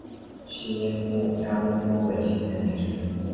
期间家中多位亲人离世。